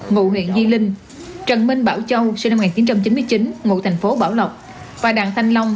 ngụ huyện di linh trần minh bảo châu sinh năm một nghìn chín trăm chín mươi chín ngụ thành phố bảo lộc và đặng thanh long